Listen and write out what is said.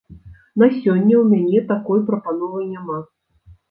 На сёння ў мяне такой прапановы няма.